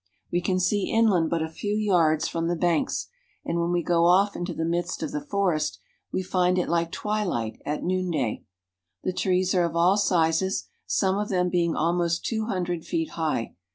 Wc can see inland but a few yards from the banks, and when we go off into the midst of the forest we find it like twilight at noonday. The trees are of all sizes, some of them being almost two hundred feet high.